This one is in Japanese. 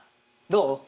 どう？